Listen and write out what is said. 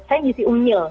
saya mengisi unggil